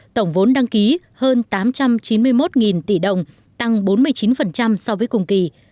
tổng vốn đăng ký hơn tám trăm chín mươi một tỷ đồng tăng bốn mươi chín so với cùng kỳ